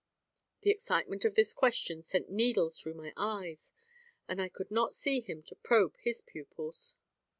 The excitement of this question sent needles through my eyes. And I could not see him, to probe his pupils.